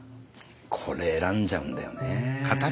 これ選んじゃうんだよね。